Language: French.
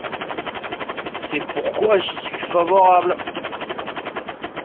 C’est pourquoi j’y suis favorable.